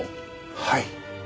はい。